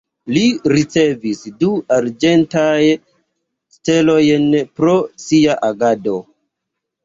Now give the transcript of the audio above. Li ricevis du Arĝentajn Stelojn pro sia agado.